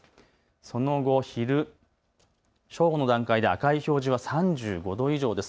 その後、昼、正午の段階で赤い表示３５度以上です。